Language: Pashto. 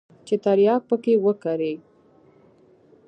چې ترياک پکښې وکري.